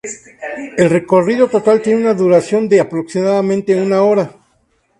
El recorrido total tiene una duración de aproximadamente una hora.